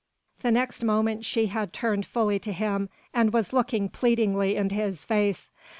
The next moment she had turned fully to him and was looking pleadingly into his face.